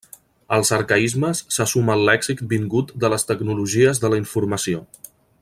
Als arcaismes se suma el lèxic vingut de les tecnologies de la informació.